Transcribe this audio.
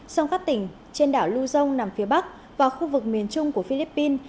song khắp tỉnh trên đảo luzon nằm phía bắc và khu vực miền trung của philippines